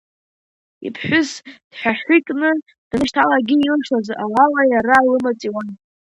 Иԥҳәыс дҳәаҳәикны данышьҭалагьы, илшоз ала иара лымаҵ иуан…